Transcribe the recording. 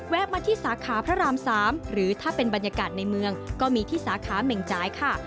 มาที่สาขาพระราม๓หรือถ้าเป็นบรรยากาศในเมืองก็มีที่สาขาเหม่งจ่ายค่ะ